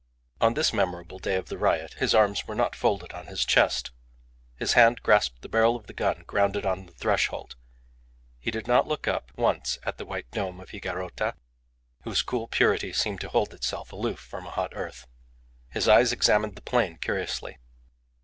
On this memorable day of the riot his arms were not folded on his chest. His hand grasped the barrel of the gun grounded on the threshold; he did not look up once at the white dome of Higuerota, whose cool purity seemed to hold itself aloof from a hot earth. His eyes examined the plain curiously.